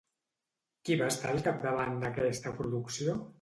Qui va estar al capdavant d'aquesta producció?